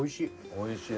おいしい。